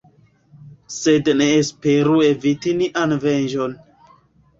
Sed ne esperu eviti nian venĝon.